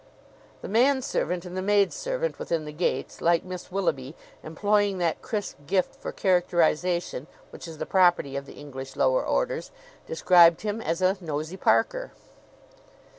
The manservant and the maidservant within the gates, like Miss Willoughby, employing that crisp gift for characterization which is the property of the English lower orders, described him as a Nosy Parker.